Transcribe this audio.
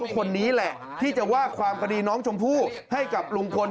คนนี้แหละที่จะว่าความคดีน้องชมพู่ให้กับลุงพล